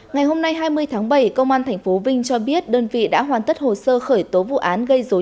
ngày hôm nay hai mươi tháng bảy công an tp vinh cho biết đơn vị đã hoàn tất hồ sơ khởi tố vụ án gây dối